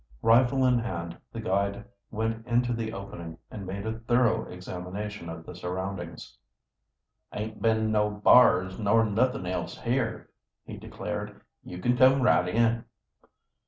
Rifle in hand the guide went into the opening, and made a thorough examination of the surroundings. "Aint been no b'ars nor nothin' else here," he declared. "You can come right in."